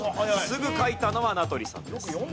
すぐ書いたのは名取さんです。